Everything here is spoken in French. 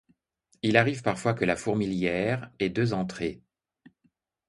Il arrive parfois que la fourmilière ait deux entrées.